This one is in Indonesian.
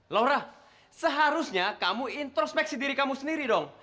laura seharusnya kamu introspek si diri kamu sendiri dong